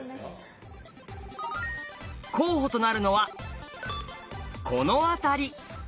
候補となるのはこの辺り。